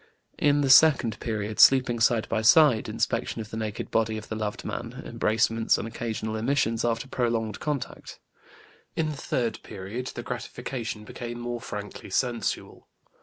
In the second period sleeping side by side, inspection of the naked body of the loved man, embracements, and occasional emissions after prolonged contact. In the third period the gratification became more frankly sensual.